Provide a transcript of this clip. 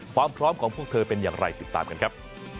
ความพร้อมของพวกเธอเป็นอย่างไรติดตามกันครับ